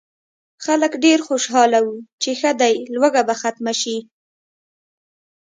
خلک ډېر خوشاله وو چې ښه دی لوږه به ختمه شي.